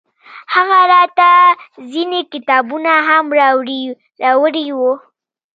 هغه راته ځينې کتابونه هم راوړي وو.